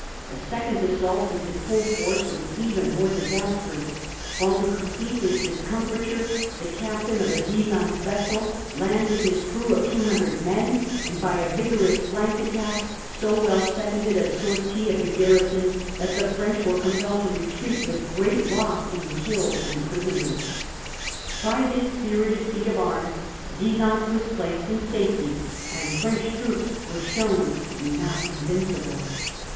A second assault with his whole force was even more disastrous, while to complete his discomfiture the captain of a Zealand vessel landed his crew of 200 men, and by a vigorous flank attack so well seconded a sortie of the garrison that the French were compelled to retreat with great loss in killed and prisoners. By this spirited feat of arms Zealand was placed in safety, and French troops were shown to be not invincible.